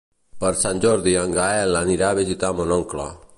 Per Sant Jordi en Gaël anirà a visitar mon oncle.